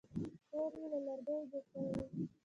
کور یې له لرګیو جوړ شوی و.